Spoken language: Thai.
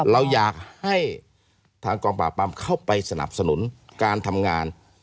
เราอยากให้ทางกองปราบปรามเข้าไปสนับสนุนการทำงาน